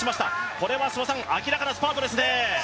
これは諏訪さん、明らかなスパートですね。